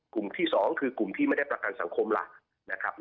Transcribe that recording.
กลุ่มที่๒คือกลุ่มที่ไม่ได้ประกันสังคมล่ะนะครับ